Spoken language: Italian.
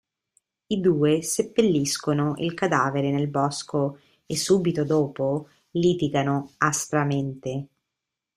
I due seppelliscono il cadavere nel bosco, e subito dopo litigano aspramente.